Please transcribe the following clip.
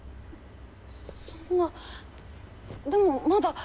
そんなでもまだ。